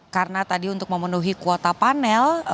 karena tadi untuk memenuhi kuota panel